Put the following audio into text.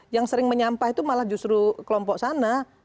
yang sering menyampah itu malah justru kelompok sana